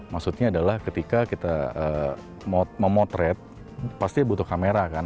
maksudnya adalah ketika kita memotret pasti butuh kamera kan